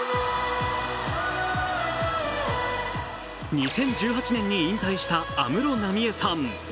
２０１８年に引退した安室奈美恵さん。